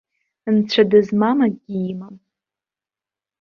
Нцәа дызмам акгьы имам.